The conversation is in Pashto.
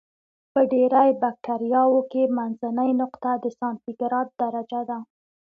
په ډېری بکټریاوو کې منځنۍ نقطه د سانتي ګراد درجه ده.